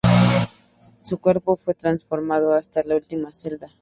Su cuerpo fue transformado hasta la última celda.